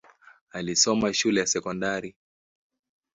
Alisoma shule ya sekondari.